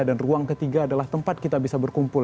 dan ruang ketiga adalah tempat kita bisa berkumpul